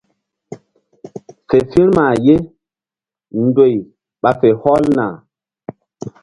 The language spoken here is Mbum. Fe firma ye ndoy ɓa fe hɔlna.